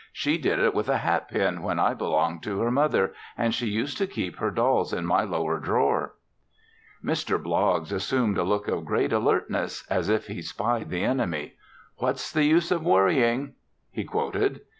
She did it with a hat pin when I belonged to her mother, and she used to keep her dolls in my lower drawer." Mr. Bloggs assumed a look of great alertness as if lie spied the enemy. "What's the use of worrying?" he quoted.